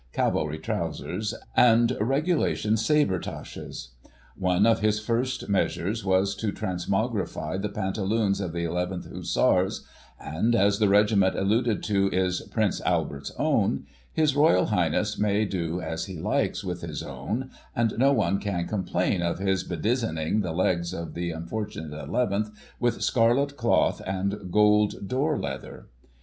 Cavalry trousers, and Regulation sabretaches. One of his first measures was to transmogrify the pantaloons of the Eleventh Hussars ; and, as the regiment alluded to is " Prince Albert's Own," His Royal Highness may do as he likes with his own, and no one can complain of his bedizening the legs of the unfortunate Eleventh, with scarlet cloth and gold door leather.